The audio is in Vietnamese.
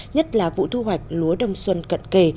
nhất là vụ thu hoạch lúa đông xuân cận kề